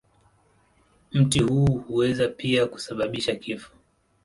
Mti huu huweza pia kusababisha kifo.